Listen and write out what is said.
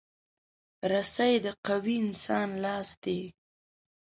رسۍ د قوي انسان لاس دی.